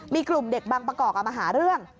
มีกลุ่มเด็กบางประกอบมาหาเรื่อง